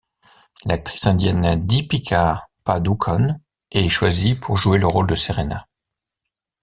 L'actrice indienne Deepika Padukone est choisie pour jouer le rôle de Serena.